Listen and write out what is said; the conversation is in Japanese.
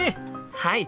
はい！